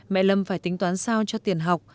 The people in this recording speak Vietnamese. mẹ lâm phải tính toán sao cho tiền học